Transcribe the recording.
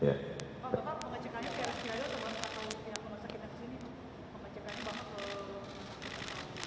saya tadi opsi untuk diolahin